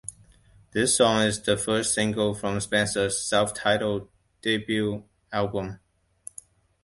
This song is the first single from Spencer's self-titled debut album.